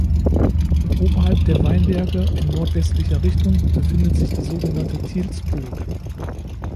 Oberhalb der Weinberge in nordwestlicher Richtung befindet sich die sogenannte Thiels-Burg.